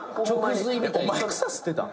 お前草吸ってたん？